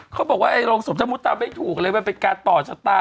เขาบอกว่าไอโรงศพถ้ามุติตามไม่ถูกเลยมันเป็นการต่อชะตา